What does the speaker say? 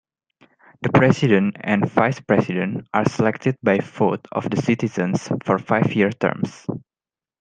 The president and vice-president are selected by vote of the citizens for five-year terms.